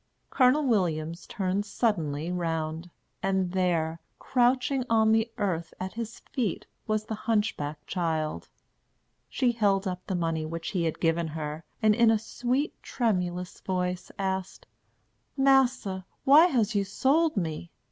Colonel Williams turned suddenly round; and there, crouching on the earth at his feet, was the hunchback child. She held up the money which he had given her, and, in a sweet, tremulous voice, asked: "Massa, why has you sold me?